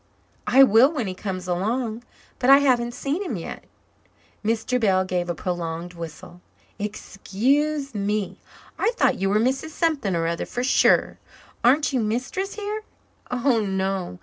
"I will when he comes along, but I haven't seen him yet." Mr. Bell gave a prolonged whistle. "Excuse me. I thought you were Mrs. Something or other for sure. Aren't you mistress here?" "Oh, no.